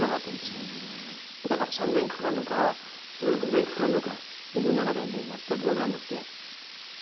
だから３年かかるのかそれが５年かかるのか僕の中ではもう全く分からなくて。